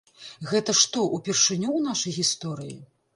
Гэта што, упершыню ў нашай гісторыі?!